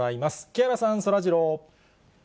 木原さん、そらジロー。